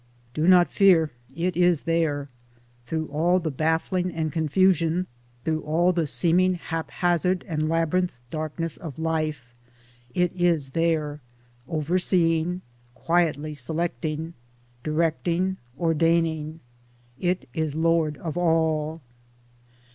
Do not fear : it is there. Through all the baffling and confusion, through all the seeming haphazard and labyrinth darkness of life, it is there — overseeing; quietly selecting, directing, ordaining. It is lord of all.